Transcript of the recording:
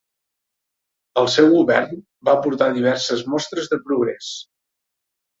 El seu govern va aportar diverses mostres de progrés.